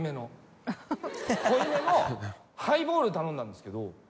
濃いめのハイボール頼んだんですけど。